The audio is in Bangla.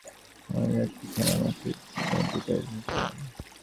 তিনি এই বিহারের প্রধান উপাসনাস্থলে একটি সোনার মৈত্রেয় মূর্তি নির্মাণ করান।